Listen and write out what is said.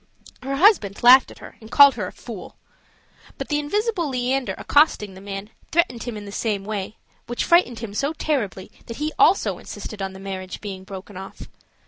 Her husband laughed at her and called her a fool. But the invisible Leander accosting the man, threatened him in the same way, which frightened him so terribly that he also insisted on the marriage being broken off.